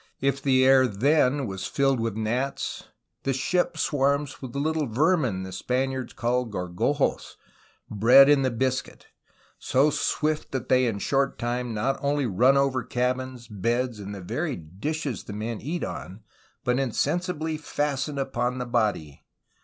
If the air then was fill'd with gnats; the ship swarms with little vermine, the Spaniards call Gorgojos, bred in the bisket; so swift that they in a short time not only run over cabins, beds, and the very dishes the men eat on, but insensibly fasten upon the body.